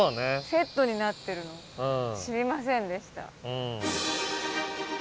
セットになってるの知りませんでした。